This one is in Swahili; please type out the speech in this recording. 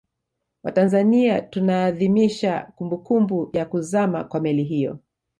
Watanzania tunaadhimisha kumbukumbu ya kuzama kwa Meli hiyo